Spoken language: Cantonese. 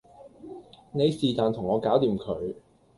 你是旦同我搞掂佢